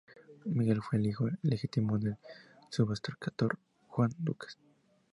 Miguel fue el hijo ilegítimo del "sebastocrátor" Juan Ducas.